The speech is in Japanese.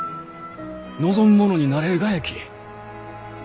望む者になれるがやき。